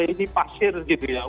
ini pasir gitu ya